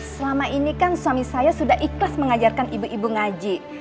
selama ini kan suami saya sudah ikhlas mengajarkan ibu ibu ngaji